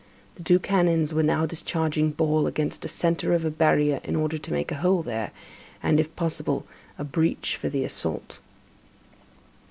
The two cannons were now discharging ball against the centre of the barrier in order to make a hole there, and, if possible, a breach for the assault.